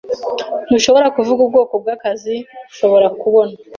Ntushobora kuvuga ubwoko bw'akazi ushobora kubona.